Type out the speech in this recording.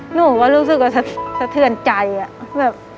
หนูก็รู้สึกว่าสะเทือนใจ